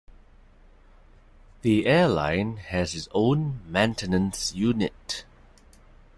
The airline has its own maintenance unit.